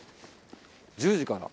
１０時から。